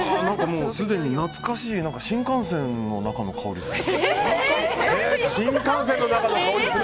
もうすでに懐かしい新幹線の中の香りがする。